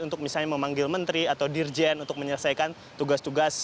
untuk misalnya memanggil menteri atau dirjen untuk menyelesaikan tugas tugas